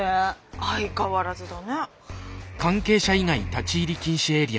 相変わらずだね。